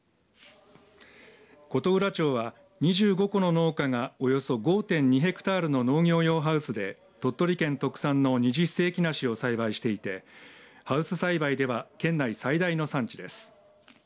琴浦町は２５戸の農家がおよそ５．２ヘクタールの農業用ハウスで鳥取県特産の二十世紀梨を栽培していてハウス栽培では県内最大の産地です。